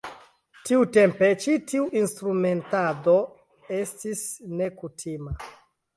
Tiutempe ĉi tiu instrumentado estis nekutima.